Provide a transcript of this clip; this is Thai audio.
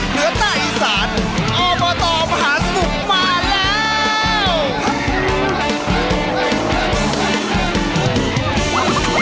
เหนือใต้อีสานออเบอร์ตอบหาสมุกมาแล้ว